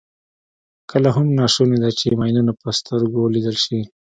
کله هم ناشونې ده چې ماینونه په سترګو ولیدل شي.